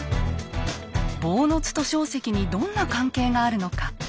坊津と硝石にどんな関係があるのか。